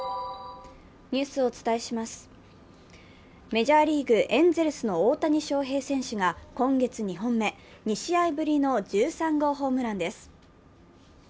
メジャーリーグエンゼルスの大谷翔平選手が今月２本目２試合ぶりの１３号ホームランです。